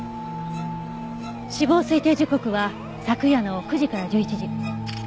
死亡推定時刻は昨夜の９時から１１時。